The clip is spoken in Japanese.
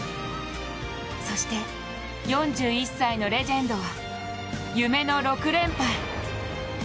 そして、４１歳のレジェンドは夢の６連覇へ。